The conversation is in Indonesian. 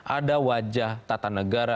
ada wajah tata negara